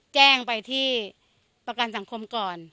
แจ้งไปที่ประกันสังคมก่อน